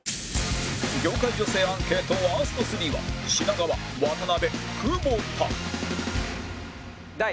業界女性アンケートワースト３は品川渡辺久保田